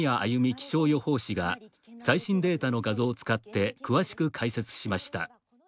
気象予報士が最新データの画像を使って詳しく解説しました。